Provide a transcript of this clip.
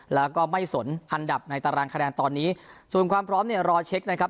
แล้วก็ไม่สนอันดับในตารางคะแนนตอนนี้ส่วนความพร้อมเนี่ยรอเช็คนะครับ